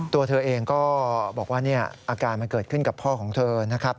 ตัวเธอเองก็บอกว่าอาการมันเกิดขึ้นกับพ่อของเธอนะครับ